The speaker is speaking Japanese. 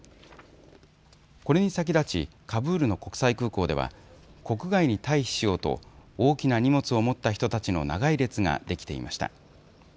これに先立ちカブールの国際空港では国外に退避しようと大きな荷物を持った人たちの長い列ができていました。